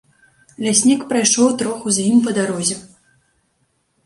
Ляснік прайшоў троху з ім па дарозе.